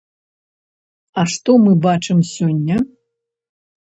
А што мы бачым сёння?